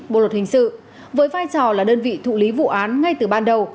bộ luật hình sự với vai trò là đơn vị thụ lý vụ án ngay từ ban đầu